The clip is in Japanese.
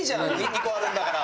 ２個あるんだから。